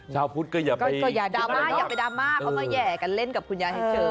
ชาวพุทธก็อย่าไปดราม่าเขามาแยกกันเล่นกับคุณยายให้เจอ